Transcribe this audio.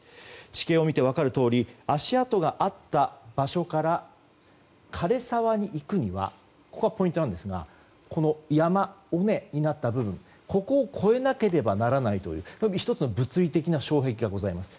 地形を見てわかるとおり足跡があった場所から枯れ沢に行くにはここがポイントなんですがこの山、尾根になった部分を越えなければならないという１つの物理的な障壁がございます。